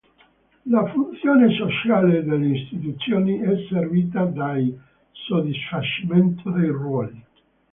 La funzione sociale delle istituzioni è servita dal soddisfacimento dei ruoli.